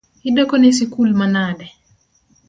Idekone sikul manade?